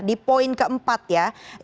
di poin keempat ya